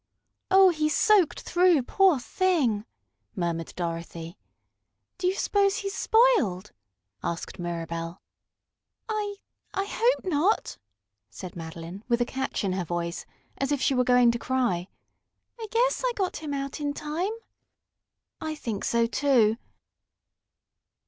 "Oh, he's soaked through, poor thing!" murmured Dorothy. "Do you s'pose he's spoiled?" asked Mirabell. "I I hope not," said Madeline with a catch in her voice, as if she were going to cry. "I guess I got him out in time." "I think so, too."